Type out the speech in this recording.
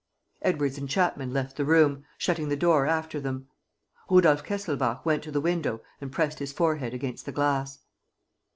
Edwards and Chapman left the room, shutting the door after them. Rudolf Kesselbach went to the window and pressed his forehead against the glass.